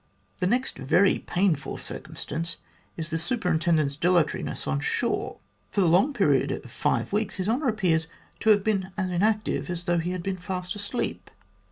"The next very painful circumstance is the Superintendent's dilatori ness on shore. For the long period of five weeks, His Honour appears to have been as inactive as though he had been fast asleep.